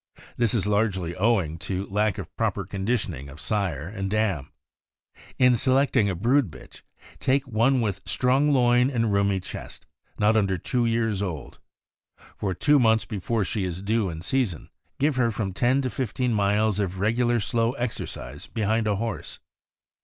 This is largely owing to lack of proper condition ing of sire and dam. In selecting a brood bitch, take one with strong loin and roomy chest, not under two years old. For two months before she is due in season, give her from ten to fifteen miles of regular, slow exercise behind a horse.